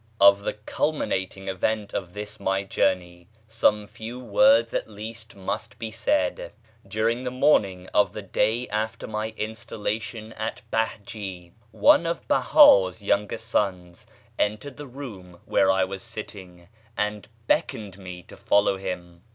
Of the culminating event of this my journey some few words at least must be said. During the morning of the day after my installation at Behjé one of Behá's younger sons entered the room where I was sitting and beckoned to me to follow him.